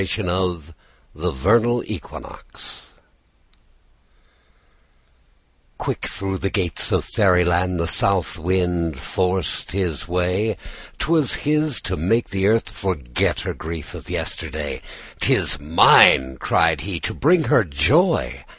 OUT OF DOORS Early Spring Quick through the gates of Fairyland The South Wind forced his way. 'Twas his to make the Earth forget Her grief of yesterday. "'Tis mine," cried he, "to bring her joy!"